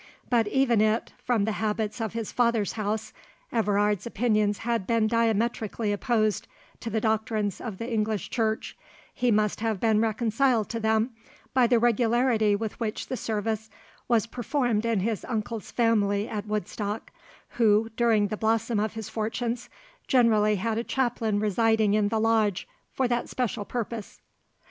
But even if, from the habits of his father's house, Everard's opinions had been diametrically opposed to the doctrines of the English Church, he must have been reconciled to them by the regularity with which the service was performed in his uncle's family at Woodstock, who, during the blossom of his fortunes, generally had a chaplain residing in the Lodge for that special purpose.